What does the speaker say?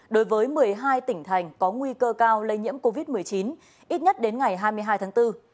đối với một mươi hai tỉnh thành có nguy cơ cao lây nhiễm covid một mươi chín ít nhất đến ngày hai mươi hai tháng bốn